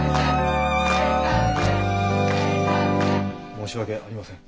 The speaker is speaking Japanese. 申し訳ありません。